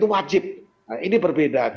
itu wajib ini berbeda